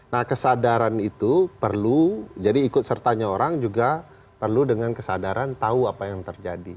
nah kesadaran itu perlu jadi ikut sertanya orang juga perlu dengan kesadaran tahu apa yang terjadi